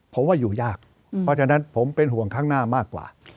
ผมว่าอยู่ยากเพราะฉะนั้นผมเป็นห่วงข้างหน้ามากกว่า